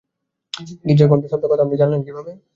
গির্জার ঘন্টার শব্দের কথা আপনি জানলেন কীভাবে?